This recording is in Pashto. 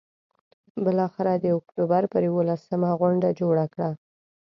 بالآخره د اکتوبر پر یوولسمه غونډه جوړه کړه.